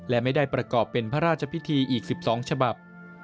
และไม่ได้ประกอบเป็นพระราชพิธีอีก๑๒ฉบับ